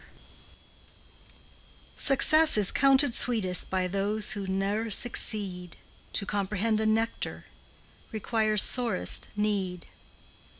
] Success is counted sweetest By those who ne'er succeed. To comprehend a nectar Requires sorest need.